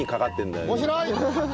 面白い！